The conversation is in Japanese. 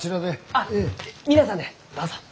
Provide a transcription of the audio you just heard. あっ皆さんでどうぞ。